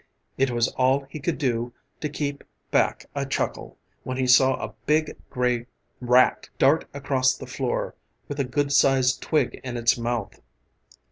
It was all he could do to keep back a chuckle when he saw a big gray rat dart across the floor with a good sized twig in its mouth.